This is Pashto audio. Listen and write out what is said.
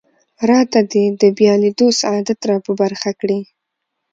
راته دې د بیا لیدو سعادت را په برخه کړي.